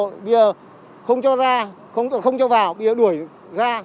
bây giờ không cho ra không cho vào bây giờ đuổi ra